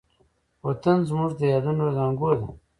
وطن زموږ د یادونو زانګو ده.